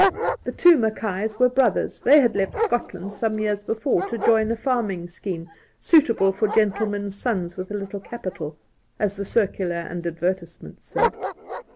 The two Mackays were brothers ; they had left Scotland some years before to join a farming scheipe 'suit able for gentlemen's sons with a little capital/ as the circular and advertisements said.